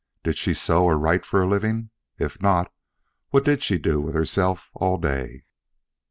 Did she sew or write for a living? If not, what did she do with herself all day?